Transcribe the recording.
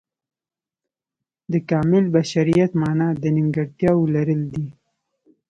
د کامل بشریت معنا د نیمګړتیاو لرل دي.